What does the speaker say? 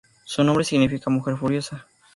Su nombre significa "mujer furiosa".